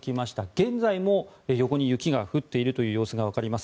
現在も横に雪が降っている様子がわかります。